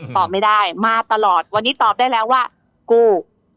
ตอบไม่ได้มาตลอดวันนี้ตอบได้แล้วว่ากู้